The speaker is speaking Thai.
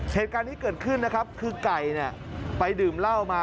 เหตุการณ์นี้เกิดขึ้นนะครับคือไก่เนี่ยไปดื่มเหล้ามา